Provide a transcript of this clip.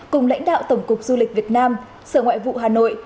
cùng lãnh đạo tổng cục du lịch việt nam sở ngoại vụ hà nội